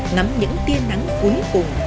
nắm những tia nắng cuối cùng